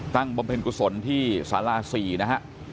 ตั้งบมเพลินกุศลที่ศาลาสี่นะฮะ